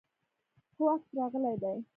هو، عکس راغلی دی